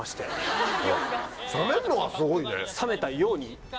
醒めんのがすごいね。